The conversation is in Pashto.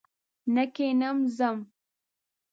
نه کښېنم ځم!